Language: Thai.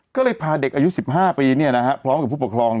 ก็เลยพาเด็กอายุ๑๕ปีพร้อมกับผู้ปกครอง